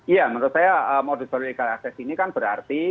iya menurut saya modus baru legal assess ini kan berarti